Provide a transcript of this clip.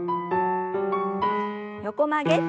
横曲げ。